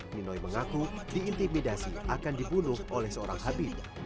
ninoi mengaku diintimidasi akan dibunuh oleh seorang habib